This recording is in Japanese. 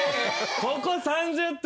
ここ３０点？